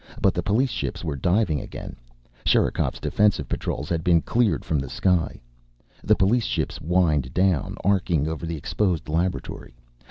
But the police ships were diving again. Sherikov's defensive patrols had been cleaned from the sky. The police ships whined down, arcing over the exposed laboratory.